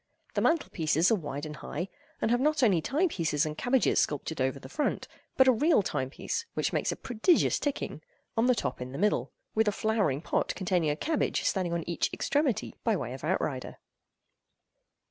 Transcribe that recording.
The mantelpieces are wide and high, and have not only time pieces and cabbages sculptured over the front, but a real time piece, which makes a prodigious ticking, on the top in the middle, with a flower pot containing a cabbage standing on each extremity by way of outrider.